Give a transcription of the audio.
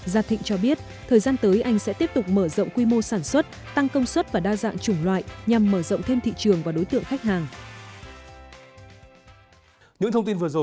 gia thịnh cho biết thời gian tới anh sẽ tiếp tục mở rộng quy mô sản xuất tăng công suất và đa dạng chủng loại nhằm mở rộng thêm thị trường và đối tượng khách hàng